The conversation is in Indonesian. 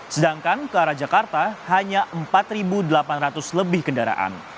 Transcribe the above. sedangkan ke arah jakarta hanya empat delapan ratus lebih kendaraan